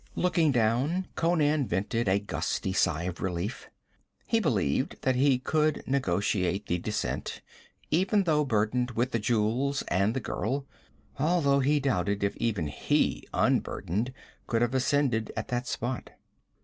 Looking down, Conan vented a gusty sigh of relief. He believed that he could negotiate the descent, even though burdened with the jewels and the girl; although he doubted if even he, unburdened, could have ascended at that spot.